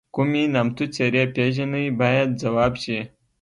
کومې نامتو څېرې پیژنئ باید ځواب شي.